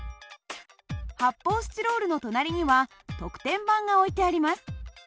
発泡スチロールの隣には得点板が置いてあります。